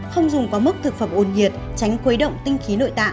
không dùng có mức thực phẩm ồn nhiệt tránh quấy động tinh khí nội tạng